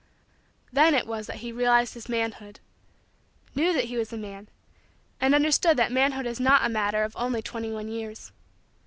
Then it was that he realized his manhood knew that he was a man and understood that manhood is not a matter of only twenty one years.